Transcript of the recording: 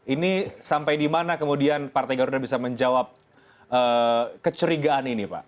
ini sampai di mana kemudian partai garuda bisa menjawab kecurigaan ini pak